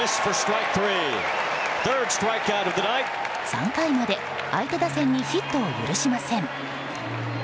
３回まで相手打線にヒットを許しません。